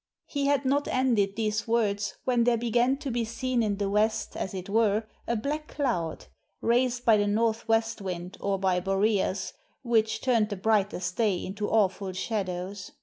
" He had not ended these words when there began to be seen in the west as it were a black cloud, raised by the northwest wind or by Boreas, which turned the brightest day into awful shadows.